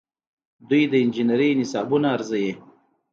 دوی د انجنیری نصابونه ارزوي.